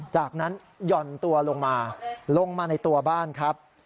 จากนั้นหย่อนตัวลงมาลงมาในตัวบ้านครับ